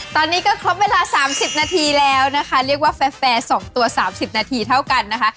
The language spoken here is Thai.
ตอนนี้ก็ครบเวลา๓๐นาทีแล้วนะคะเรียกว่าแฟร์๒ตัว๓๐นาทีเท่ากันนะคะ